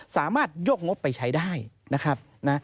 สามารถยกงบไปใช้ได้นะครับ